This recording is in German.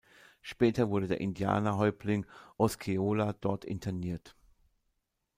Später wurde der Indianerhäuptling Osceola dort interniert.